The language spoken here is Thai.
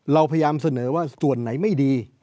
เราพยายามเสนอว่าส่วนไหนไม่ดี